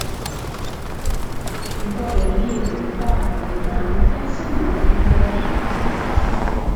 Fu poi allievo di Walter Braunfels a Monaco di Baviera.